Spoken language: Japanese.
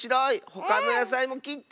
ほかのやさいもきって。